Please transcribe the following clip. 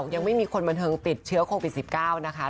ยังไม่มีคนบันเทิงติดเชื้อโควิด๑๙นะคะ